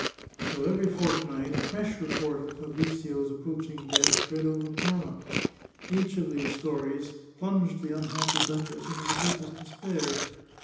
So every fortnight a fresh report of Fabrizio's approach ing death spread over Parma. Each of these stories plunged the unhappy duchess into the deepest despair.